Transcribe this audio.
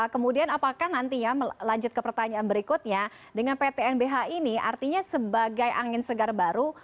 kemudian apakah nantinya lanjut ke pertanyaan berikutnya dengan ptnbh ini artinya sebagai angin segar baru